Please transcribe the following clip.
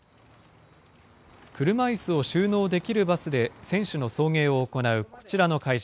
車いすを収納できるバスで選手の送迎を行うこちらの会社。